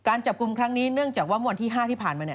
จับกลุ่มครั้งนี้เนื่องจากว่าเมื่อวันที่๕ที่ผ่านมา